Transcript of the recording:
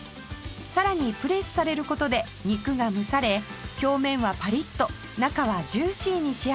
さらにプレスされる事で肉が蒸され表面はパリッと中はジューシーに仕上がります